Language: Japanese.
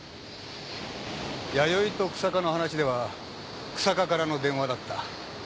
弥生と日下の話では日下からの電話だった。